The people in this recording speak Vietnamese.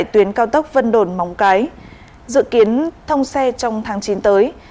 tuyến cao tốc vân đồn móng cái dự kiến thông xe trong tháng chín tới